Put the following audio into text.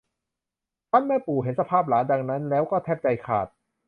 ครั้นเมื่อปู่เห็นสภาพหลานดังนั้นแล้วก็แทบใจขาด